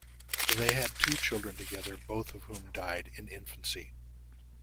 They had two children together, both of whom died in infancy.